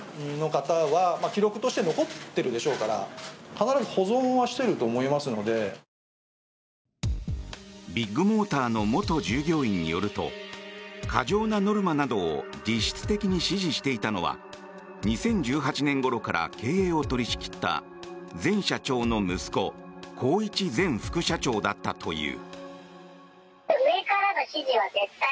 このメールについて現役社員は。ビッグモーターの元従業員によると過剰なノルマなどを実質的に指示していたのは２０１８年ごろから経営を取り仕切った前社長の息子宏一前副社長だったという。